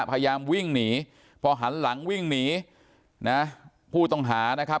พยายามวิ่งหนีพอหันหลังวิ่งหนีนะผู้ต้องหานะครับ